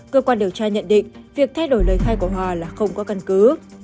cơ quan điều tra nhận định việc thay đổi lời khai của hòa là không có căn cứ